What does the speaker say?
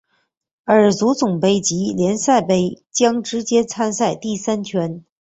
而足总杯及联赛杯将直接参与第三圈。